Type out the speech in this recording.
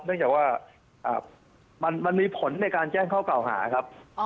เนื่องจากว่ามันมีผลในการแจ้งข้อเก่าหาครับ